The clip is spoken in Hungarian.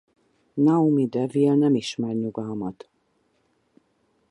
Naomi Devil nem ismer nyugalmat.